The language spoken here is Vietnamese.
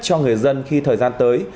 cho người dân khi thời gian tới